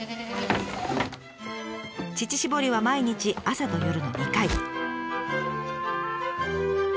乳搾りは毎日朝と夜の２回。